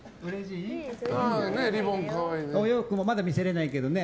お洋服もまだ見せれないけどね。